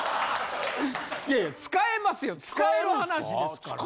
いやいや使えますよ使える話ですから。